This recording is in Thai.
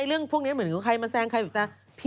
เรื่องพวกนี้เหมือนใครมาแซงใครแบบจะ